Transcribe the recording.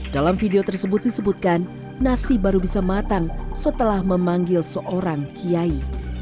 dalam video tersebut disebutkan nasi baru bisa matang setelah memanggil seorang kiai